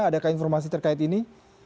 adakah informasi terkait ini